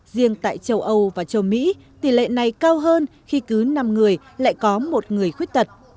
riêng tại châu âu và châu mỹ tỷ lệ này cao hơn khi cứ năm người lại có một người khuyết tật